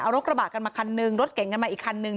รถกระบะกันมาคันนึงรถเก่งกันมาอีกคันนึง